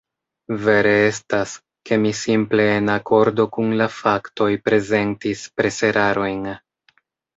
Vere estas, ke mi simple en akordo kun la faktoj prezentis preserarojn.